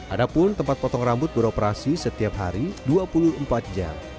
ada pun tempat potong rambut beroperasi setiap hari dua puluh empat jam